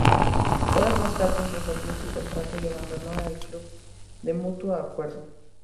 Horas más tarde resolvió su contrato y abandonó el club de mutuo acuerdo.